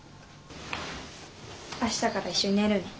明日から一緒に寝るねん。